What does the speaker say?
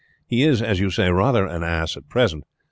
"He is, as you say, rather an ass at present.